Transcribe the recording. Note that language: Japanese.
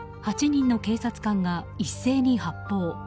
８人の警察官が一斉に発砲。